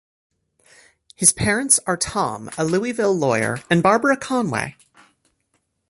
His parents are Tom, a Louisville lawyer, and Barbara Conway.